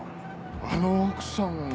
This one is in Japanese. あの奥さんが？